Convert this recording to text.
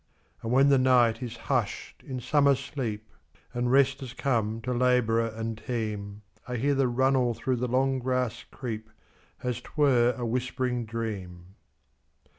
And when the night is hush'd in summer sleep, And rest has come to laborer and team,I hear the runnel through the long grass creep, As 't were a whispering dream.